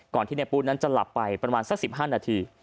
ก่อนที่นายปุ๊กนั้นจะหลับไปประมาณสัก๑๕นาที